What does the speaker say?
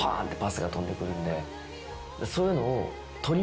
そういうのを。